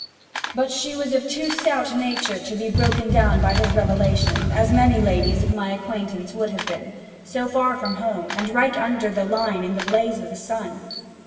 But she was of too stout a nature to be broken down by his revelation, as many ladies of my acquaintance would have been so far from home, and right under the Line in the blaze o' the sun.